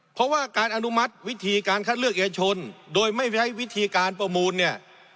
เพราะว่าการอนุมัติวิธีการคัดเลือกเอกชนโดยไม่ใช้วิธีการประมูลเนี่ย